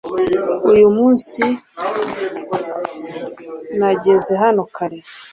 Uyu munsi nageze hano kare kare .